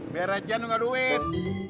biar recean lu nggak duit